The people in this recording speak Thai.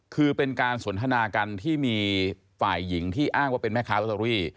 คือเป็นการสนทนากันที่มีฝ่ายหญิงที่อ้างว่าเป็นแม่ค้าลอตเตอรี่